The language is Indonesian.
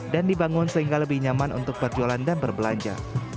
dan dibangun sehingga lebih nyaman untuk berjualan dan berbelanja